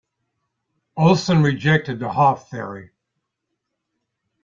Olsen rejected the hof theory.